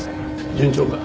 順調か？